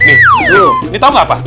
ini tahu nggak apa